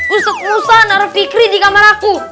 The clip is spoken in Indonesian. ustek ustek narah fikri di kamar aku